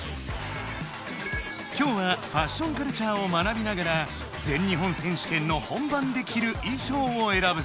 今日はファッションカルチャーを学びながら全日本選手権の本番で着る衣装をえらぶぞ！